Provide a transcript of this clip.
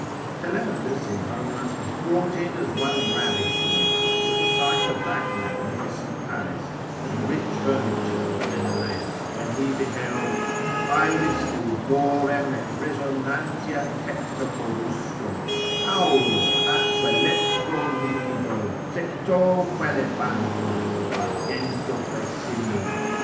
Telemachus, in Homer, is brought in as one ravished almost at the sight of that magnificent palace, and rich furniture of Menelaus, when he beheld Aeris fulgorem et resonantia tecta corusco Auro, atque electro nitido, sectoque elephanto, Argentoque simul.